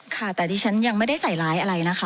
ค่ะแต่ดิฉันยังไม่ได้ใส่ร้ายอะไรนะคะ